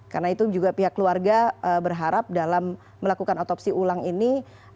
karena itu juga pihak keluarga berharap dalam melakukan otopsi ulang ini